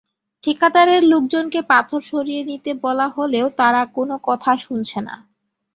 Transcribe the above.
ঠিকাদারের লোকজনকে পাথর সরিয়ে নিতে বলা হলেও তারা কোনো কথা শুনছে না।